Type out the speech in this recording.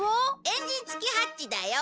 エンジンつきハッチだよ。